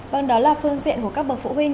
vâng đó là phương diện của các bậc phụ huynh